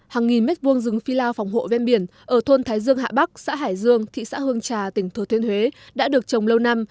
hàng nghìn mét vuông rừng phi lao phòng hộ ven biển ở thôn thái dương hạ bắc xã hải dương thị xã hương trà tỉnh thừa thiên huế đã được trồng lâu năm